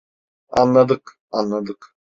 Anladık, anladık.